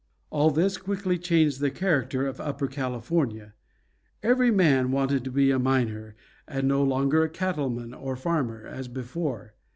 All this quickly changed the character of upper California. Every man wanted to be a miner, and no longer a cattleman or farmer, as before.